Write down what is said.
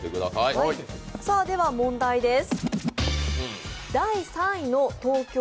では問題です。